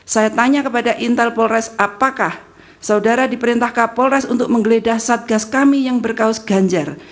saya tanya kepada intel polres apakah saudara diperintah kapolres untuk menggeledah satgas kami yang berkaos ganjar